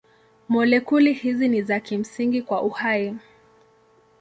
Molekuli hizi ni za kimsingi kwa uhai.